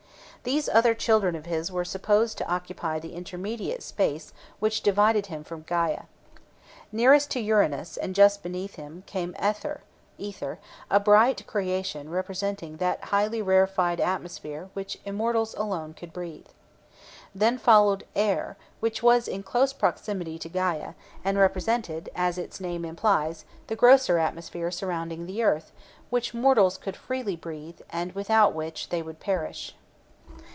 These other children of his were supposed to occupy the intermediate space which divided him from Gæa. Nearest to Uranus, and just beneath him, came Aether (Ether), a bright creation representing that highly rarified atmosphere which immortals alone could breathe. Then followed Aër (Air), which was in close proximity to Gæa, and represented, as its name implies, the grosser atmosphere surrounding the earth which mortals could freely breathe, and without which they would perish.